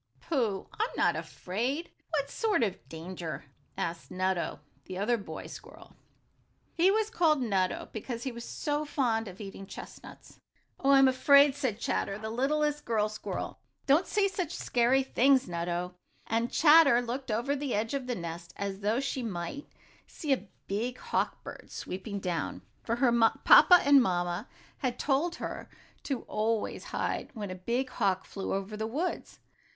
"Pooh, I'm not afraid! What sort of danger?" asked Nutto, the other boy squirrel. He was called Nutto because he was so fond of eating chestnuts. "Oh, I'm afraid," said Chatter, the littlest girl squirrel. "Don't say such scary things, Nutto," and Chatter looked over the edge of the nest as though she might see a big hawk bird swooping down, for her papa and mamma had told her to always hide when a big hawk flew over the woods.